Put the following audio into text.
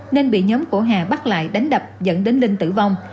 nên bị nhóm của hà bắt lại đánh đập dẫn đến linh tử vong